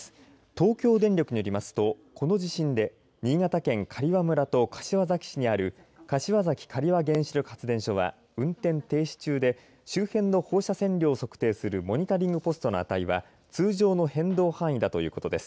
東京電力によりますとこの地震で新潟県刈羽村と柏崎市にある柏崎刈羽原子力発電所は運転停止中で周辺の放射線量を測定するモニタリングポストの値は通常の変動範囲だということです。